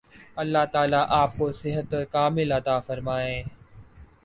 اللہ تعالی آپ کو صحت ِکاملہ عطا فرمائے۔